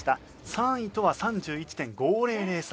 ３位とは３１．５００差。